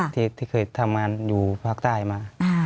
ที่เคยทำงานอยู่ภาคใต้มา